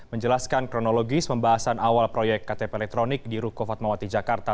menjelaskan kronologis pembahasan awal proyek ktp elektronik di ruko fatmawati jakarta